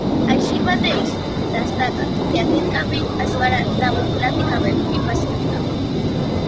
Així mateix, destaca que aquest camí es farà democràticament i pacíficament.